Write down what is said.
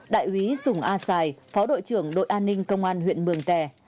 đại úy sùng a sài phó đội trưởng đội an ninh công an huyện mường tè